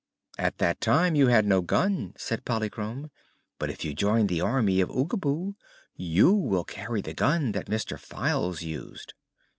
"At that time you had no gun," said Polychrome. "But if you join the Army of Oogaboo you will carry the gun that Mr. Files used."